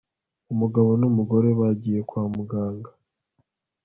Umugabo numugore bagiye kwa muganga